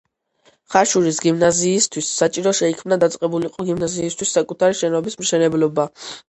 ხაშურის გიმნაზიისთვის საჭირო შეიქმნა დაწყებულიყო გიმნაზიისთვის საკუთარი შენობის მშენებლობა.